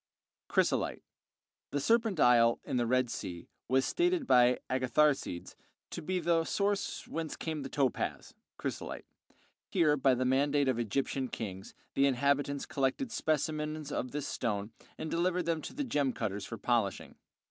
Chrysolite The "Serpent Isle," in the Red Sea, was stated by Agatharcides to be the source whence came the topaz (chrysolite); here, by the mandate of the Egyptian kings, the inhabitants collected specimens of this stone and delivered them to the gem cutters for polishing.